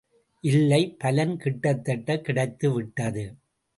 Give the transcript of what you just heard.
இல்லை, பலன் கிட்டத்தட்ட கிடைத்துவிட்டது.